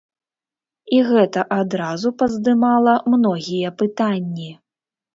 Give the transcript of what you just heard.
І гэта адразу паздымала многія пытанні.